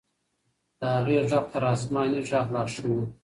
د هغې ږغ تر آسماني ږغ لا ښه و.